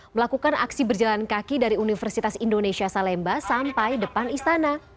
melakukan aksi berjalan kaki dari universitas indonesia salemba sampai depan istana